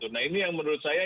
nah ini yang menurut saya